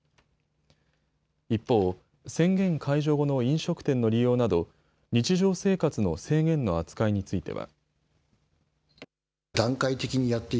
一方、宣言解除後の飲食店の利用など日常生活の制限の扱いについては。